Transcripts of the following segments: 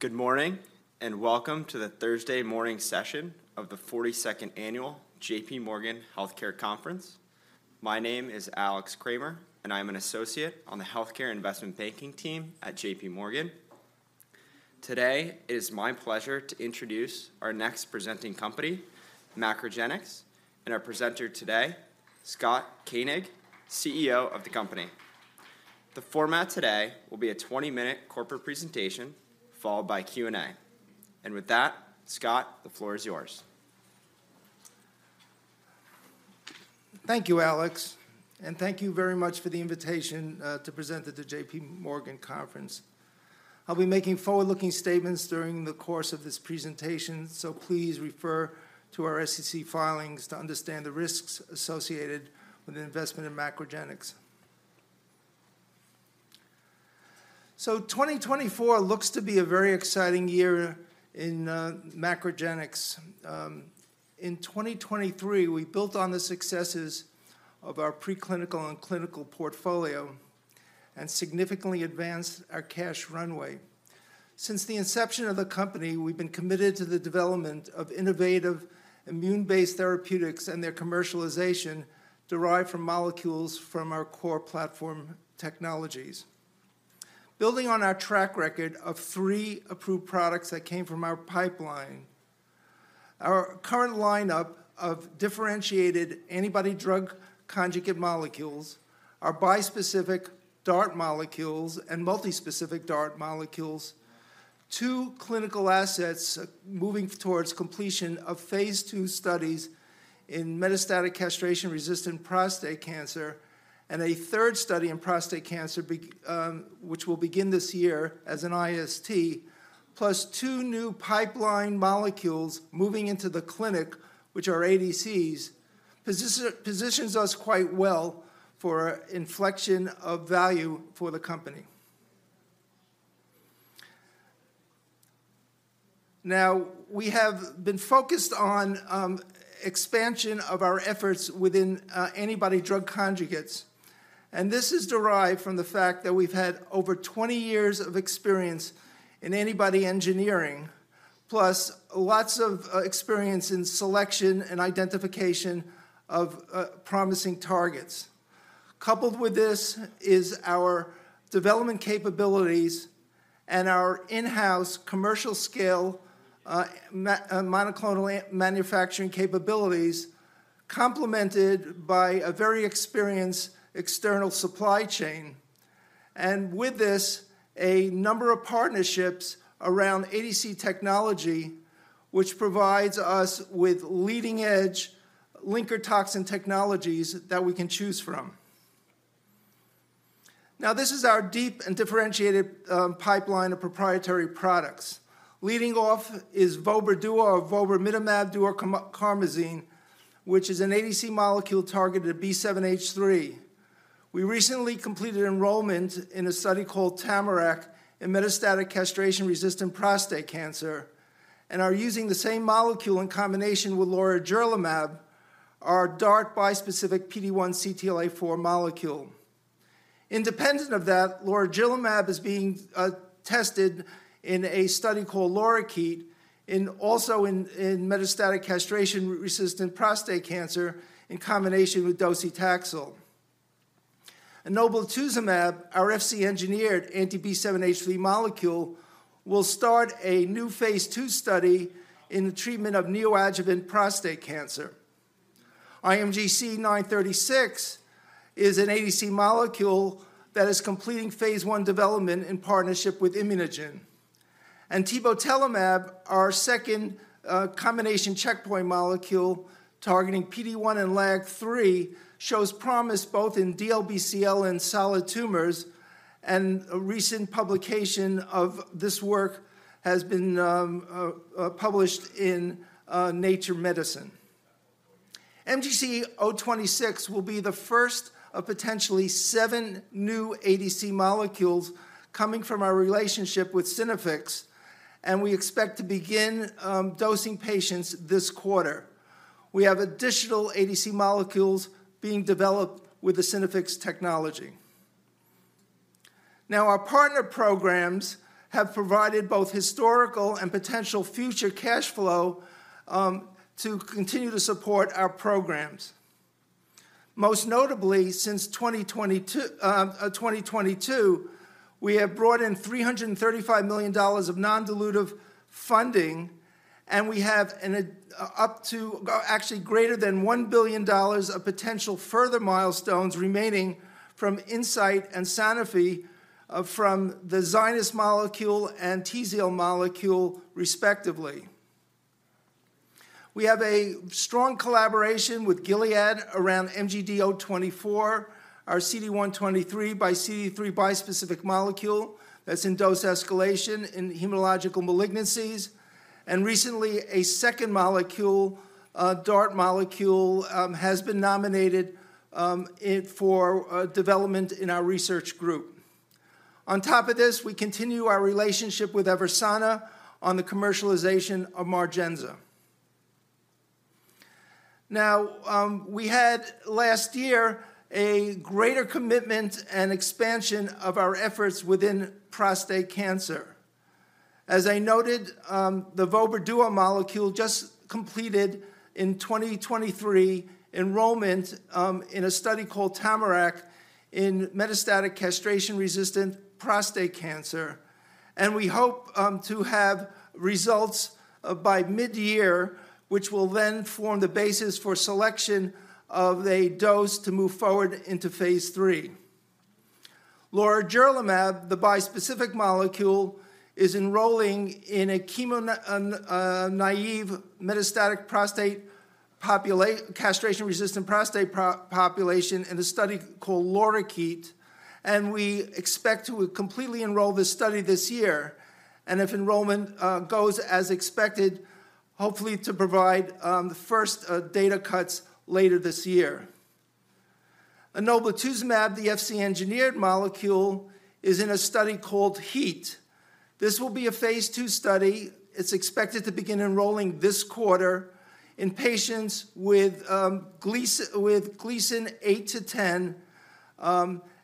Good morning, and welcome to the Thursday morning session of the 42nd annual J.P. Morgan Healthcare Conference. My name is Alex Kramer, and I am an associate on the healthcare investment banking team at J.P. Morgan. Today, it is my pleasure to introduce our next presenting company, MacroGenics, and our presenter today, Scott Koenig, CEO of the company. The format today will be a 20-minute corporate presentation, followed by Q&A. With that, Scott, the floor is yours. Thank you, Alex, and thank you very much for the invitation to present at the J.P. Morgan conference. I'll be making forward-looking statements during the course of this presentation, so please refer to our SEC filings to understand the risks associated with an investment in MacroGenics. 2024 looks to be a very exciting year in MacroGenics. In 2023, we built on the successes of our preclinical and clinical portfolio and significantly advanced our cash runway. Since the inception of the company, we've been committed to the development of innovative immune-based therapeutics and their commercialization, derived from molecules from our core platform technologies. Building on our track record of three approved products that came from our pipeline, our current lineup of differentiated antibody-drug conjugate molecules, our bispecific DART molecules and multispecific DART molecules, two clinical assets moving towards completion of phase II studies in metastatic castration-resistant prostate cancer, and a third study in prostate cancer, which will begin this year as an IST, plus two new pipeline molecules moving into the clinic, which are ADCs, positions us quite well for inflection of value for the company. Now, we have been focused on expansion of our efforts within antibody-drug conjugates, and this is derived from the fact that we've had over 20 years of experience in antibody engineering, plus lots of experience in selection and identification of promising targets. Coupled with this is our development capabilities and our in-house commercial-scale monoclonal manufacturing capabilities, complemented by a very experienced external supply chain, and with this, a number of partnerships around ADC technology, which provides us with leading-edge linker toxin technologies that we can choose from. Now, this is our deep and differentiated pipeline of proprietary products. Leading off is vobramitamab duocarmazine, which is an ADC molecule targeted at B7-H3. We recently completed enrollment in a study called TAMARACK in metastatic castration-resistant prostate cancer and are using the same molecule in combination with lorigerlimab, our DART bispecific PD-1 CTLA-4 molecule. Independent of that, lorigerlimab is being tested in a study called LORIKEET, also in metastatic castration-resistant prostate cancer in combination with docetaxel. Enoblituzumab, our Fc-engineered anti-B7-H3 molecule, will start a new phase II study in the treatment of neoadjuvant prostate cancer. IMGC936 is an ADC molecule that is completing phase I development in partnership with ImmunoGen. Tebotelimab, our second, combination checkpoint molecule targeting PD-1 and LAG-3, shows promise both in DLBCL and solid tumors, and a recent publication of this work has been published in Nature Medicine. MGC026 will be the first of potentially seven new ADC molecules coming from our relationship with Synaffix, and we expect to begin dosing patients this quarter. We have additional ADC molecules being developed with the Synaffix technology. Now, our partner programs have provided both historical and potential future cash flow to continue to support our programs. Most notably, since 2022, we have brought in $335 million of non-dilutive funding, and we have up to, actually greater than $1 billion of potential further milestones remaining from Incyte and Sanofi, from the ZYNYZ molecule and TZIELD molecule, respectively. We have a strong collaboration with Gilead around MGD024, our CD123 by CD3 bispecific molecule, that's in dose escalation in hematological malignancies. And recently, a second molecule, a DART molecule, has been nominated, it for development in our research group. On top of this, we continue our relationship with Eversana on the commercialization of Margenza. Now, we had last year a greater commitment and expansion of our efforts within prostate cancer. As I noted, the vobramitamab duocarmazine molecule just completed in 2023 enrollment in a study called TAMARACK in metastatic castration-resistant prostate cancer, and we hope to have results by mid-year, which will then form the basis for selection of a dose to move forward into phase three. Lorigerlimab, the bispecific molecule, is enrolling in a chemo-naive metastatic castration-resistant prostate population in a study called LORIKEET, and we expect to completely enroll this study this year, and if enrollment goes as expected, hopefully to provide the first data cuts later this year. Enoblituzumab, the Fc-engineered molecule, is in a study called HEAT. This will be a phase two study. It's expected to begin enrolling this quarter in patients with Gleason 8-10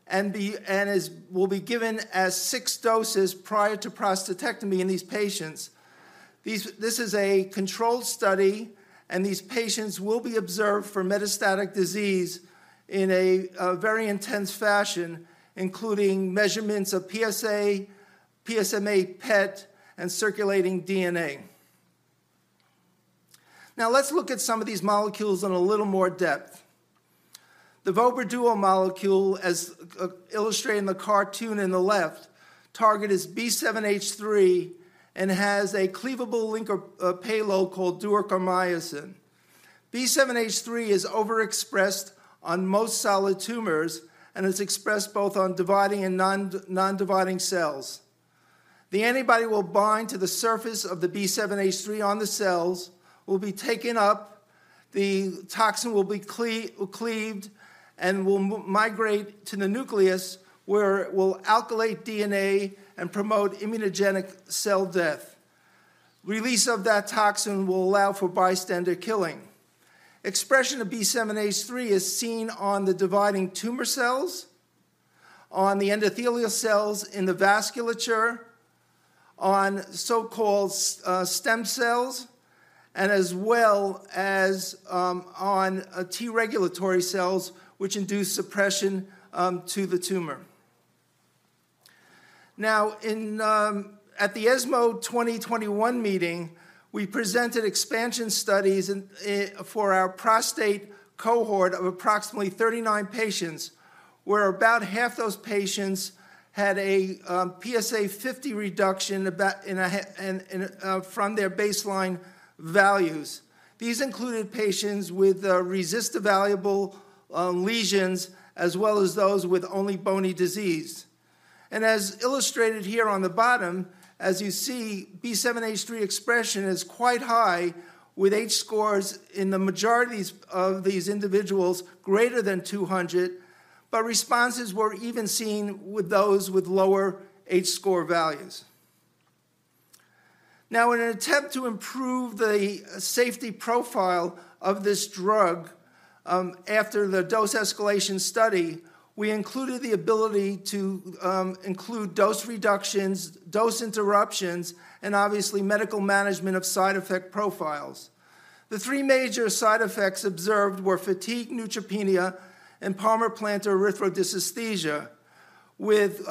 and will be given as 6 doses prior to prostatectomy in these patients. This is a controlled study, and these patients will be observed for metastatic disease in a very intense fashion, including measurements of PSA, PSMA PET, and circulating DNA. Now, let's look at some of these molecules in a little more depth. The vobramitamab duocarmazine molecule, as illustrated in the cartoon in the left, target is B7-H3 and has a cleavable linker payload called duocarmycin. B7-H3 is overexpressed on most solid tumors and is expressed both on dividing and non-dividing cells. The antibody will bind to the surface of the B7-H3 on the cells, will be taken up, the toxin will be cleaved, and will migrate to the nucleus, where it will alkylate DNA and promote immunogenic cell death. Release of that toxin will allow for bystander killing. Expression of B7-H3 is seen on the dividing tumor cells, on the endothelial cells in the vasculature, on so-called stem cells, and as well as on T-regulatory cells, which induce suppression to the tumor. Now, at the ESMO 2021 meeting, we presented expansion studies for our prostate cohort of approximately 39 patients, where about half those patients had a PSA50 reduction from their baseline values. These included patients with RECIST-evaluable lesions, as well as those with only bony disease. As illustrated here on the bottom, as you see, B7-H3 expression is quite high, with H-scores in the majority of these, of these individuals greater than 200, but responses were even seen with those with lower H-score values. Now, in an attempt to improve the safety profile of this drug, after the dose escalation study, we included the ability to include dose reductions, dose interruptions, and obviously medical management of side effect profiles. The three major side effects observed were fatigue, neutropenia, and palmar-plantar erythrodysesthesia, with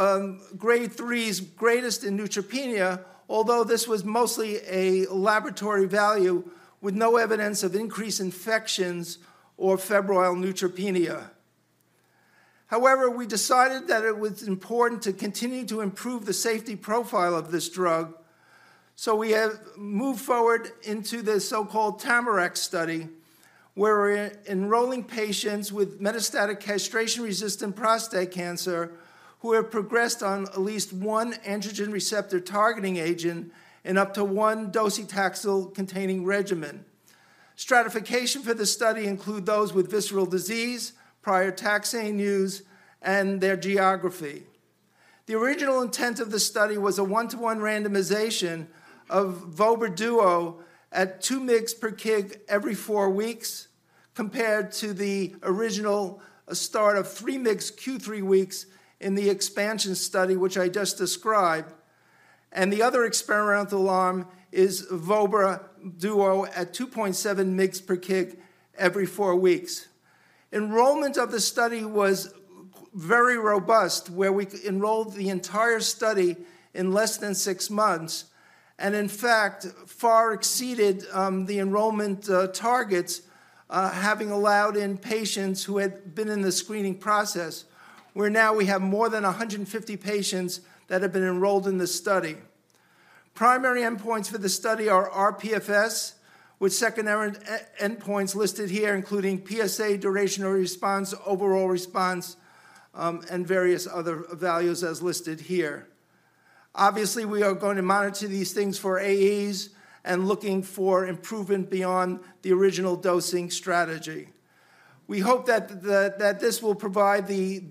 grade threes greatest in neutropenia, although this was mostly a laboratory value with no evidence of increased infections or febrile neutropenia. However, we decided that it was important to continue to improve the safety profile of this drug, so we have moved forward into the so-called TAMARACK study, where we're enrolling patients with metastatic castration-resistant prostate cancer who have progressed on at least one androgen receptor targeting agent and up to one docetaxel-containing regimen. Stratification for this study include those with visceral disease, prior taxane use, and their geography. The original intent of the study was a 1:1 randomization of vobramitamab duocarmazine at two mg per kg every four weeks, compared to the original start of three mg q three weeks in the expansion study, which I just described. The other experimental arm is vobramitamab duocarmazine at 2.7 mg per kg every 4 weeks. Enrollment of the study was very robust, where we enrolled the entire study in less than six months, and in fact, far exceeded the enrollment targets, having allowed in patients who had been in the screening process, where now we have more than 150 patients that have been enrolled in this study. Primary endpoints for the study are rPFS, with secondary endpoints listed here, including PSA, duration of response, overall response, and various other values as listed here. Obviously, we are going to monitor these things for AEs and looking for improvement beyond the original dosing strategy. We hope that this will provide the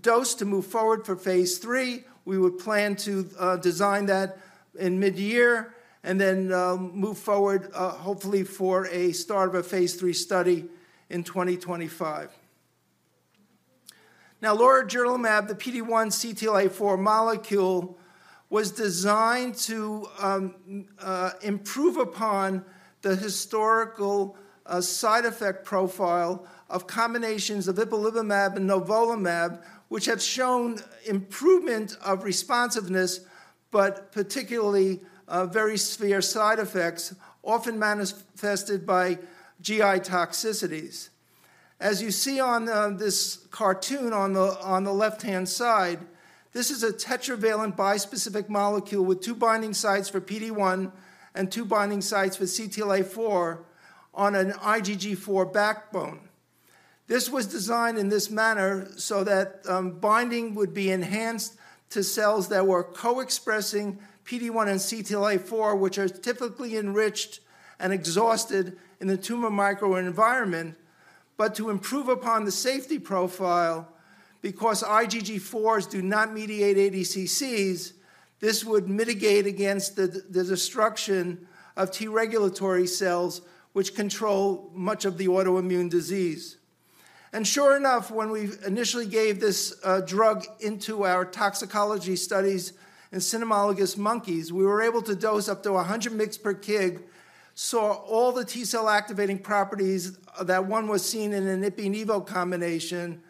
dose to move forward for phase three. We would plan to design that in mid-year, and then move forward, hopefully for a start of a phase three study in 2025. Now, lorigerlimab, the PD-1 CTLA-4 molecule, was designed to improve upon the historical side effect profile of combinations of ipilimumab and nivolumab, which had shown improvement of responsiveness, but particularly very severe side effects, often manifested by GI toxicities. As you see on this cartoon on the left-hand side, this is a tetravalent bispecific molecule with two binding sites for PD-1 and two binding sites for CTLA-4 on an IgG4 backbone. This was designed in this manner so that binding would be enhanced to cells that were co-expressing PD-1 and CTLA-4, which are typically enriched and exhausted in the tumor microenvironment, but to improve upon the safety profile, because IgG4s do not mediate ADCCs, this would mitigate against the destruction of T-regulatory cells, which control much of the autoimmune disease. And sure enough, when we initially gave this drug into our toxicology studies in cynomolgus monkeys, we were able to dose up to 100 mg per kg, saw all the T-cell activating properties that one was seen in an Ipi-Nivo combination,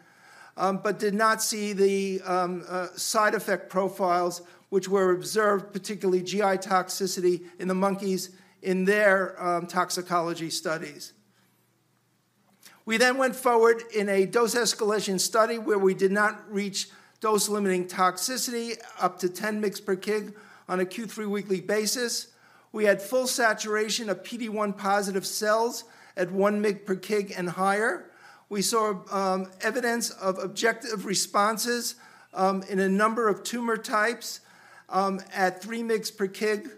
but did not see the side effect profiles which were observed, particularly GI toxicity in the monkeys in their toxicology studies. We then went forward in a dose escalation study, where we did not reach dose-limiting toxicity up to 10 mg per kg on a Q3 weekly basis. We had full saturation of PD-1 positive cells at 1 mg per kg and higher. We saw evidence of objective responses in a number of tumor types at three mg per kg.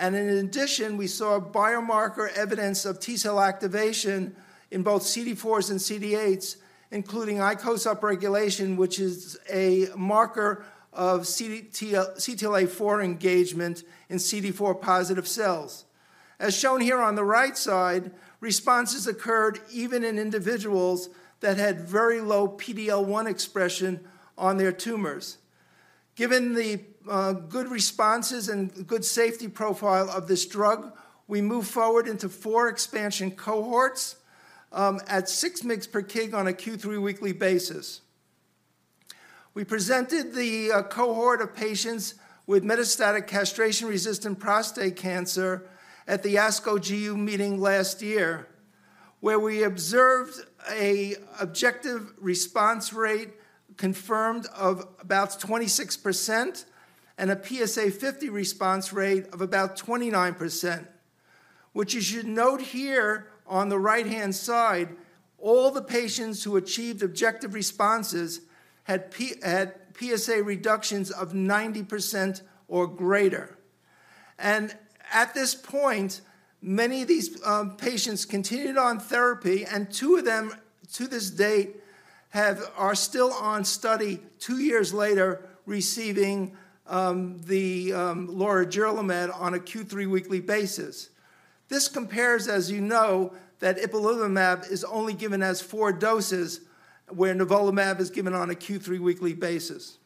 In addition, we saw biomarker evidence of T-cell activation in both CD4s and CD8s, including ICOS upregulation, which is a marker of CTL, CTLA-4 engagement in CD4 positive cells. As shown here on the right side, responses occurred even in individuals that had very low PD-L1 expression on their tumors. Given the good responses and good safety profile of this drug, we moved forward into four expansion cohorts at 6 mgs per kg on a Q3 weekly basis. We presented the cohort of patients with metastatic castration-resistant prostate cancer at the ASCO GU meeting last year, where we observed an objective response rate confirmed of about 26% and a PSA50 response rate of about 29%, which you should note here on the right-hand side, all the patients who achieved objective responses had PSA reductions of 90% or greater. At this point, many of these patients continued on therapy, and two of them, to this date, are still on study two years later, receiving the lorigerlimab on a Q3 weekly basis. This compares, as you know, that ipilimumab is only given as four doses, where nivolumab is given on a Q3 weekly basis.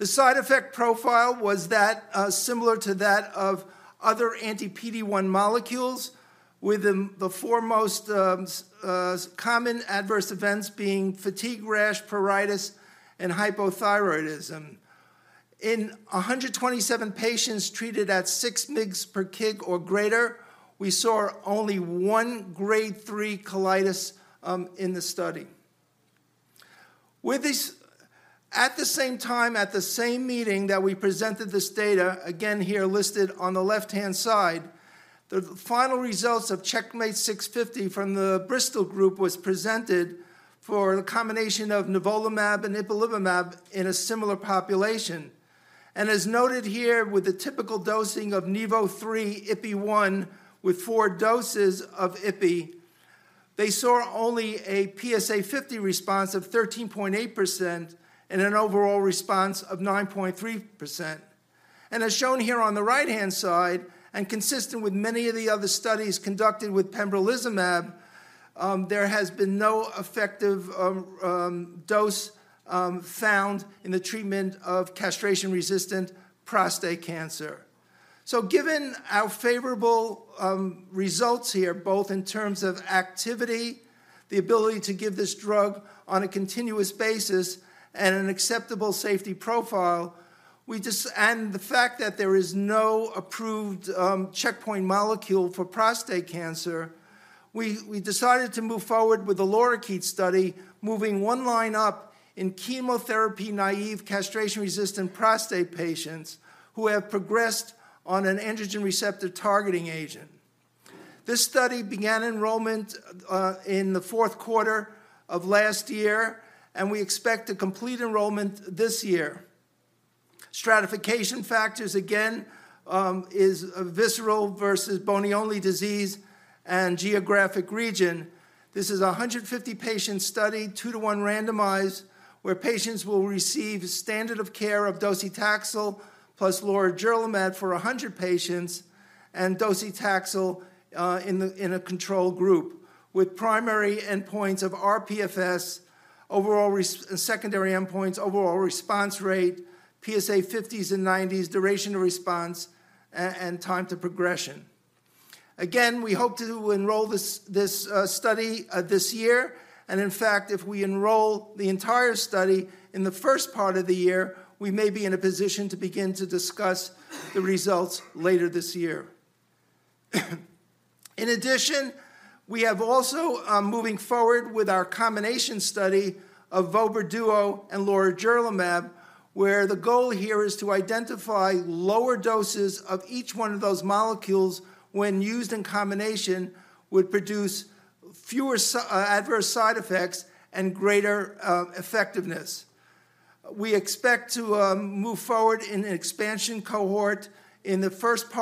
The side effect profile was that similar to that of other anti-PD-1 molecules, with the foremost common adverse events being fatigue, rash, pruritus, and hypothyroidism. In 127 patients treated at 6 mg/kg or greater, we saw only one grade three colitis in the study. With this, at the same time, at the same meeting that we presented this data, again, here listed on the left-hand side, the final results of CheckMate 650 from the Bristol group was presented for a combination of nivolumab and ipilimumab in a similar population. And as noted here, with the typical dosing of Nivo three, Ipi one, with four doses of Ipi, they saw only a PSA50 response of 13.8% and an overall response of 9.3%. And as shown here on the right-hand side, and consistent with many of the other studies conducted with pembrolizumab, there has been no effective dose found in the treatment of castration-resistant prostate cancer. So given our favorable results here, both in terms of activity, the ability to give this drug on a continuous basis, and an acceptable safety profile, and the fact that there is no approved checkpoint molecule for prostate cancer, we decided to move forward with the LORIKEET study, moving one line up in chemotherapy-naive, castration-resistant prostate patients who have progressed on an androgen receptor-targeted agent. This study began enrollment in the fourth quarter of last year, and we expect to complete enrollment this year. Stratification factors, again, is a visceral versus bony-only disease and geographic region. This is a 150-patient study, 2:1 randomized, where patients will receive standard-of-care docetaxel plus lorigerlimab for 100 patients, and docetaxel in a control group, with primary endpoints of rPFS. Secondary endpoints: overall response rate, PSA50s and 90s, duration of response, and time to progression. Again, we hope to enroll this study this year, and in fact, if we enroll the entire study in the first part of the year, we may be in a position to begin to discuss the results later this year. In addition, we are also moving forward with our combination study of vobramitamab duocarmazine and lorigerlimab, where the goal here is to identify lower doses of each one of those molecules, when used in combination, would produce fewer adverse side effects and greater effectiveness. We expect to move forward in an expansion cohort in the first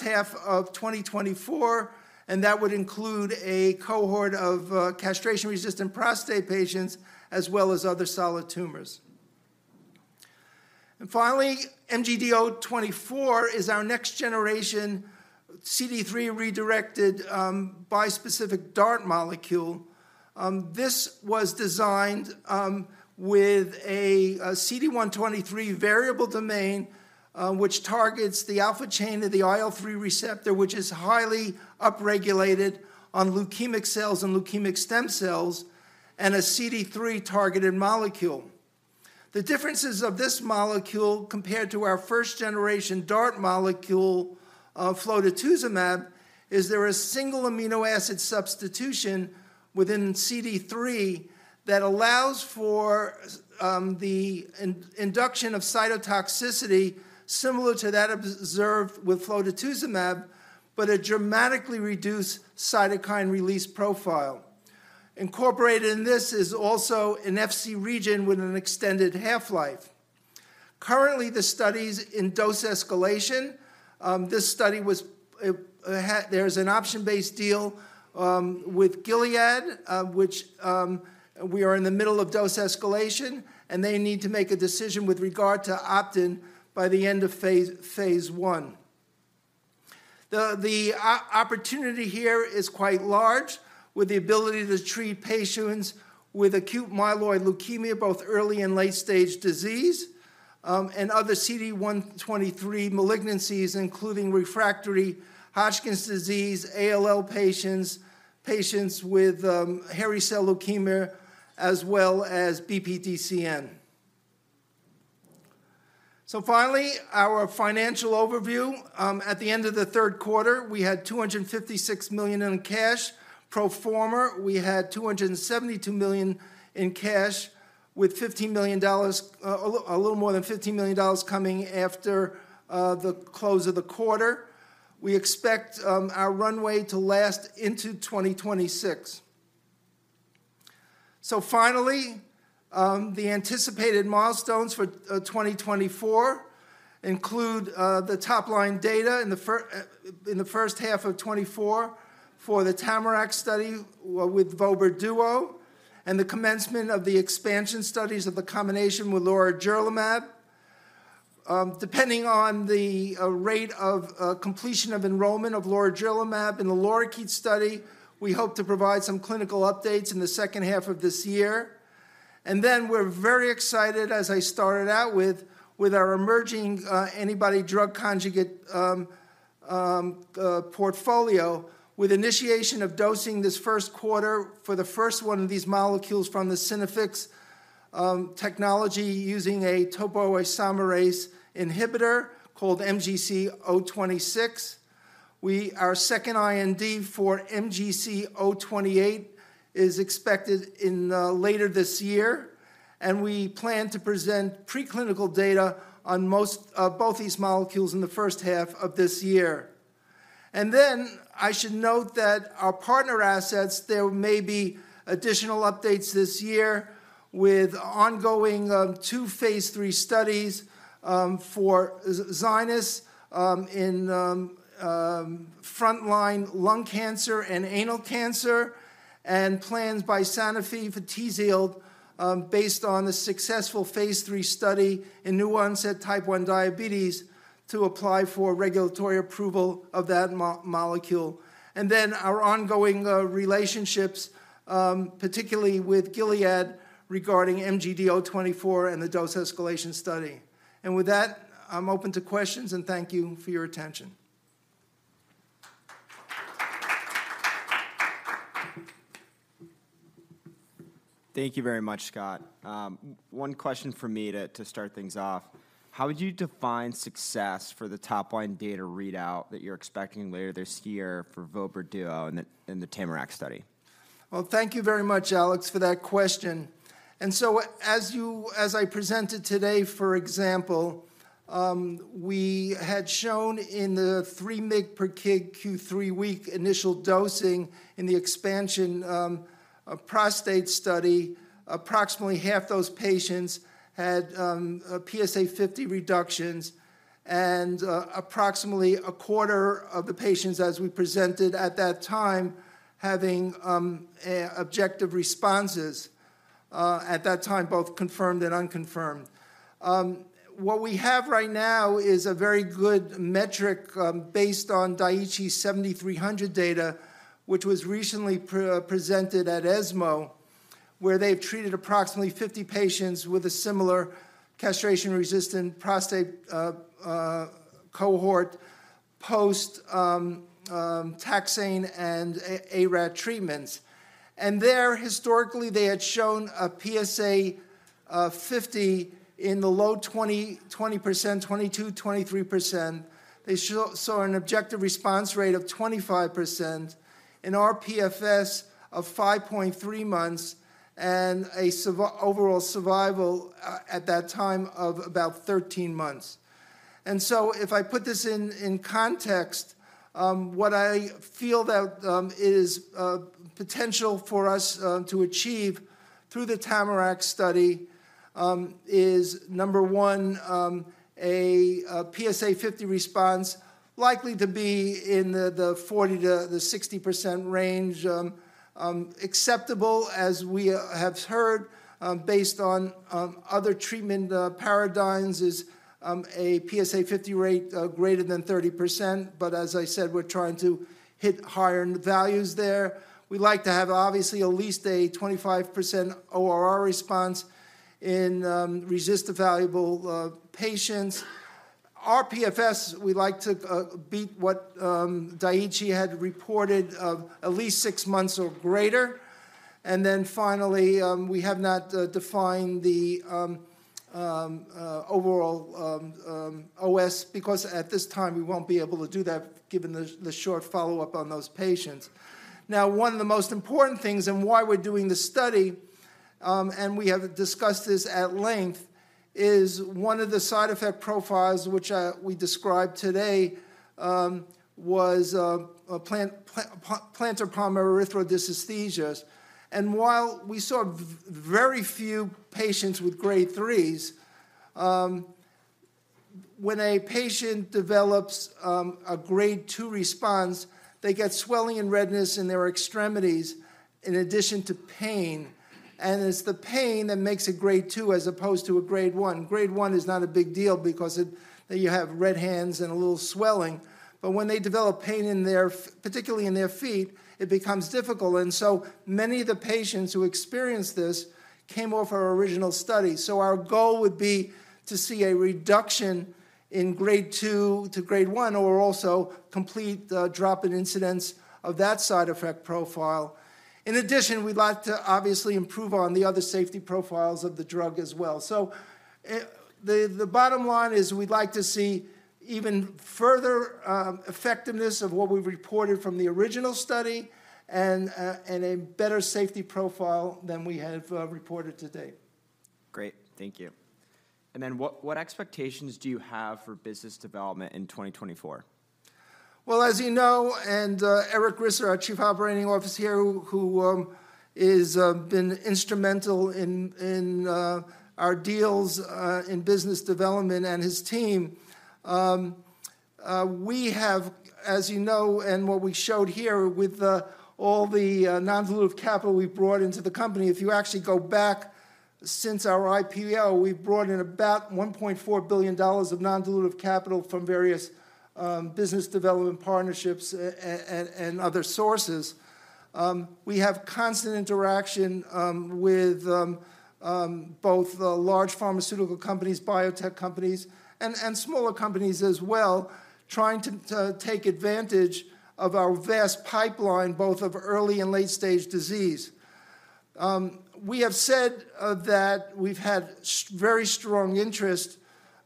half of 2024, and that would include a cohort of castration-resistant prostate patients, as well as other solid tumors. And finally, MGD024 is our next generation CD3 redirected bispecific DART molecule. This was designed with a CD123 variable domain, which targets the alpha chain of the IL-3 receptor, which is highly upregulated on leukemic cells and leukemic stem cells, and a CD3-targeted molecule. The differences of this molecule compared to our first generation DART molecule, flotetuzumab, is there a single amino acid substitution within CD3 that allows for the induction of cytotoxicity, similar to that observed with flotetuzumab, but a dramatically reduced cytokine release profile. Incorporated in this is also an Fc region with an extended half-life. Currently, the study's in dose escalation. This study was, there's an option-based deal with Gilead, which we are in the middle of dose escalation, and they need to make a decision with regard to opt-in by the end of phase one. The opportunity here is quite large, with the ability to treat patients with acute myeloid leukemia, both early and late-stage disease, and other CD123 malignancies, including refractory Hodgkin's disease, ALL patients, patients with hairy cell leukemia, as well as BPDCN. So finally, our financial overview. At the end of the third quarter, we had 256 million in cash. Pro forma, we had 272 million in cash, with $15 million, a little more than $15 million coming after the close of the quarter. We expect our runway to last into 2026. So finally, the anticipated milestones for 2024 include the top-line data in the first half of 2024 for the TAMARACK study with vobramitamab duocarmazine, and the commencement of the expansion studies of the combination with lorigerlimab. Depending on the rate of completion of enrollment of lorigerlimab in the LORIKEET study, we hope to provide some clinical updates in the second half of this year. And then we're very excited, as I started out with, with our emerging antibody-drug conjugate portfolio, with initiation of dosing this first quarter for the first one of these molecules from the Synaffix technology, using a topoisomerase inhibitor called MGC026. Our second IND for MGC028 is expected later this year, and we plan to present preclinical data on both these molecules in the first half of this year. And then, I should note that our partner assets, there may be additional updates this year, with ongoing two phase III studies for ZYNYZ in frontline lung cancer and anal cancer, and plans by Sanofi for TZIELD, based on a successful phase III study in new-onset type 1 diabetes, to apply for regulatory approval of that molecule. And then, our ongoing relationships, particularly with Gilead, regarding MGD024 and the dose escalation study. And with that, I'm open to questions, and thank you for your attention. Thank you very much, Scott. One question from me to start things off. How would you define success for the top-line data readout that you're expecting later this year for vobramitamab duocarmazine in the TAMARACK study? Well, thank you very much, Alex, for that question. And so, as I presented today, for example, we had shown in the 3 mg per kg q3 week initial dosing in the expansion, a prostate study, approximately half those patients had a PSA50 reductions, and approximately a quarter of the patients, as we presented at that time, having a objective responses at that time, both confirmed and unconfirmed. What we have right now is a very good metric based on Daiichi's 7300 data, which was recently presented at ESMO, where they've treated approximately 50 patients with a similar castration-resistant prostate cohort post taxane and ARAT treatments. And there, historically, they had shown a PSA50 in the low 20s, 20%-23%. They saw an objective response rate of 25%, an rPFS of 5.3 months, and overall survival at that time of about 13 months. So if I put this in context, what I feel that is potential for us to achieve through the TAMARACK study is, number one, a PSA50 response likely to be in the 40%-60% range. Acceptable, as we have heard, based on other treatment paradigms, is a PSA50 rate greater than 30%. But as I said, we're trying to hit higher values there. We'd like to have, obviously, at least a 25% ORR response in response-evaluable patients. rPFS, we'd like to beat what Daiichi had reported, of at least six months or greater. Then finally, we have not defined the overall OS, because at this time, we won't be able to do that, given the short follow-up on those patients. Now, one of the most important things and why we're doing this study, and we have discussed this at length, is one of the side effect profiles, which we described today, was a palmar-plantar erythrodysesthesia. While we saw very few patients with grade threes, when a patient develops a grade two response, they get swelling and redness in their extremities in addition to pain, and it's the pain that makes it grade two as opposed to a grade one. Grade one is not a big deal because it, you have red hands and a little swelling, but when they develop pain in their fingers, particularly in their feet, it becomes difficult. So many of the patients who experienced this came off our original study. Our goal would be to see a reduction in grade two to grade one, or also complete the drop in incidence of that side effect profile. In addition, we'd like to obviously improve on the other safety profiles of the drug as well. The bottom line is we'd like to see even further effectiveness of what we've reported from the original study and a better safety profile than we have reported to date. Great. Thank you. And then what expectations do you have for business development in 2024? Well, as you know, Eric Risser, our Chief Operating Officer here, who is been instrumental in our deals in business development and his team. We have, as you know, and what we showed here with all the non-dilutive capital we brought into the company, if you actually go back since our IPO, we've brought in about $1.4 billion of non-dilutive capital from various business development partnerships and other sources. We have constant interaction with both the large pharmaceutical companies, biotech companies, and smaller companies as well, trying to take advantage of our vast pipeline, both of early and late-stage disease. We have said that we've had very strong interest,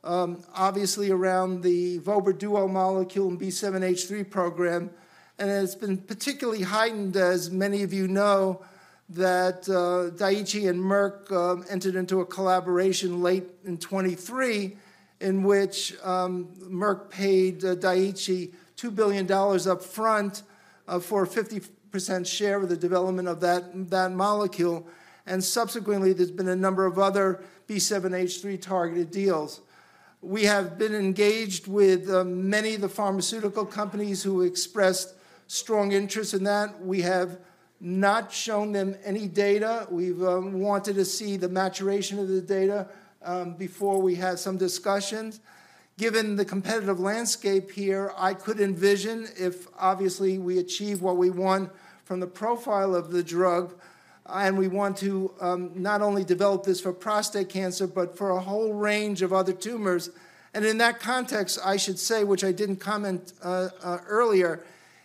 obviously, around the vobramitamab duocarmazine molecule and B7-H3 program, and it's been particularly heightened, as many of you know, that Daiichi and Merck entered into a collaboration late in 2023, in which Merck paid Daiichi $2 billion upfront for a 50% share of the development of that molecule, and subsequently, there's been a number of other B7-H3 targeted deals. We have been engaged with many of the pharmaceutical companies who expressed strong interest in that. We have not shown them any data. We've wanted to see the maturation of the data before we had some discussions. Given the competitive landscape here, I could envision if, obviously, we achieve what we want from the profile of the drug, and we want to not only develop this for prostate cancer, but for a whole range of other tumors. And in that context, I should say, which I didn't comment earlier,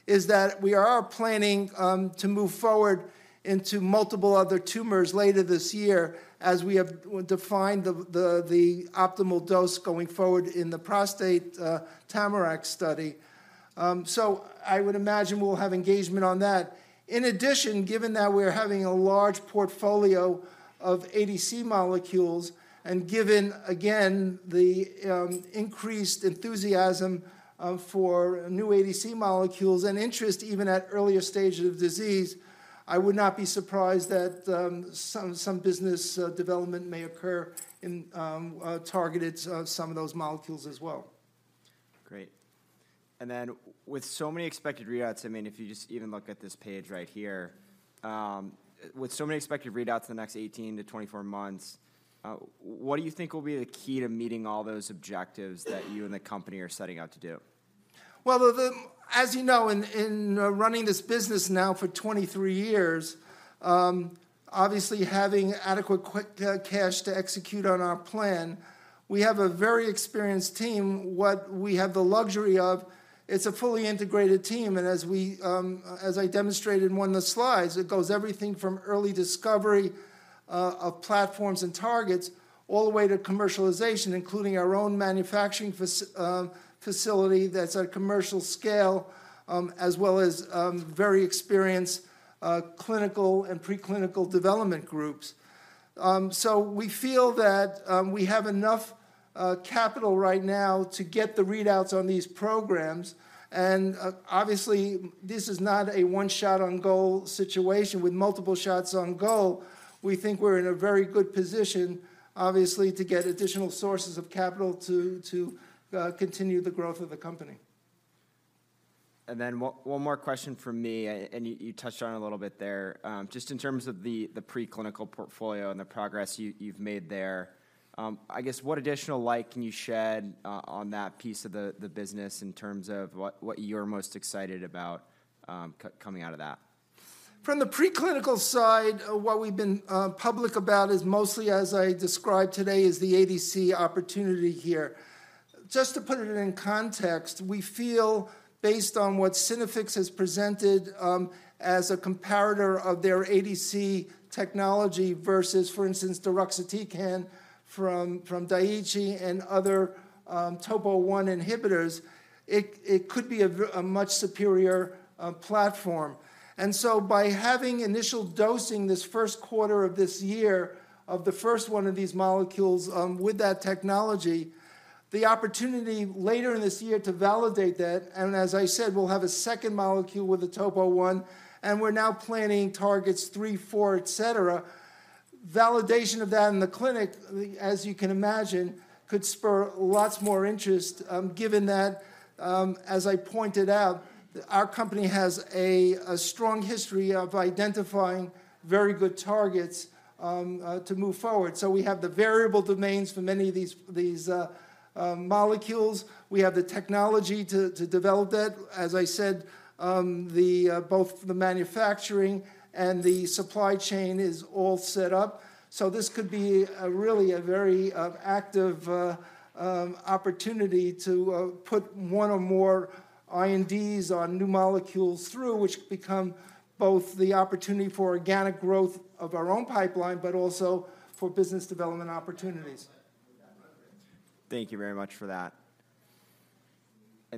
is that we are planning to move forward into multiple other tumors later this year, as we have defined the optimal dose going forward in the prostate TAMARACK study. So I would imagine we'll have engagement on that. In addition, given that we're having a large portfolio of ADC molecules, and given, again, the increased enthusiasm for new ADC molecules and interest even at earlier stages of disease, I would not be surprised that some business development may occur in targeted some of those molecules as well. Great. And then with so many expected readouts, I mean, if you just even look at this page right here, with so many expected readouts in the next 18-24 months, what do you think will be the key to meeting all those objectives that you and the company are setting out to do? Well, as you know, in running this business now for 23 years, obviously, having adequate quick cash to execute on our plan, we have a very experienced team. What we have the luxury of, it's a fully integrated team, and as I demonstrated in one of the slides, it goes everything from early discovery of platforms and targets, all the way to commercialization, including our own manufacturing facility that's at commercial scale, as well as very experienced clinical and preclinical development groups. So we feel that we have enough capital right now to get the readouts on these programs, and obviously, this is not a one shot on goal situation. With multiple shots on goal, we think we're in a very good position, obviously, to get additional sources of capital to continue the growth of the company. And then one more question from me, and you touched on it a little bit there. Just in terms of the preclinical portfolio and the progress you've made there, I guess, what additional light can you shed on that piece of the business in terms of what you're most excited about coming out of that? From the preclinical side, what we've been public about is mostly, as I described today, the ADC opportunity here. Just to put it in context, we feel, based on what Synaffix has presented, as a comparator of their ADC technology versus, for instance, deruxtecan from Daiichi and other Topo I inhibitors, it could be a much superior platform. So by having initial dosing this first quarter of this year of the first one of these molecules, with that technology, the opportunity later in this year to validate that, and as I said, we'll have a second molecule with the Topo I, and we're now planning targets three, four, etc. Validation of that in the clinic, as you can imagine, could spur lots more interest, given that, as I pointed out, our company has a strong history of identifying very good targets to move forward. So we have the variable domains for many of these molecules. We have the technology to develop that. As I said, both the manufacturing and the supply chain is all set up. So this could be a really very active opportunity to put one or more INDs on new molecules through, which could become both the opportunity for organic growth of our own pipeline, but also for business development opportunities. Thank you very much for that.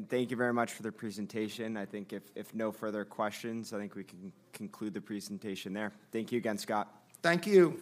Thank you very much for the presentation. I think if no further questions, I think we can conclude the presentation there. Thank you again, Scott. Thank you!